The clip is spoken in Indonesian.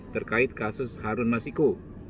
terkait kasus harun masiku